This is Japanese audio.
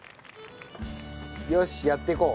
よしやっていこう。